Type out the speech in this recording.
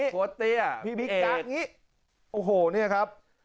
โกติอย่างนี้พี่บิ๊กกั๊กอย่างนี้โอ้โหนี่นะครับ